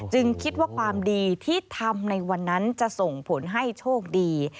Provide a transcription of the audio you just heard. คิดว่าความดีที่ทำในวันนั้นจะส่งผลให้โชคดี